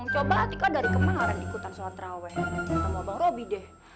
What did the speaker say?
coba atika dari kemarin ikutan sholat terawih ketemu abang robi deh